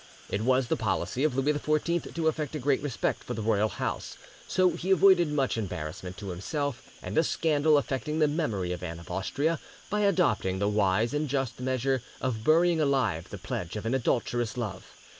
It was the policy of Louis XIV to affect a great respect for the royal house, so he avoided much embarrassment to himself and a scandal affecting the memory of Anne of Austria by adopting the wise and just measure of burying alive the pledge of an adulterous love.